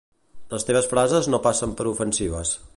Les teves frases no passen per ofensives